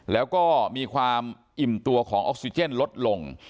แล้วก็มีความอิ่มตัวของออกซิเจนลดลง